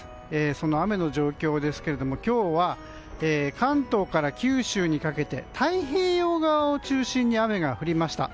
その雨の状況ですけれども今日は関東から九州にかけて太平洋側を中心に雨が降りました。